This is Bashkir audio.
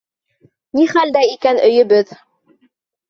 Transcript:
Ни хәлдә икән өйөбөҙ?